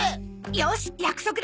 よし約束だ！